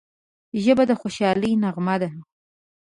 ژبه د خوشحالۍ نغمه ده